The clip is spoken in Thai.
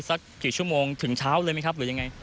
สักกี่ชั่วโมงถึงเช้าเลยไหมครับหรือยังไง